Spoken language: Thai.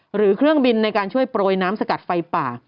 หรือเครื่องบินในการช่วยโปรยน้ำสกัดไฟป่า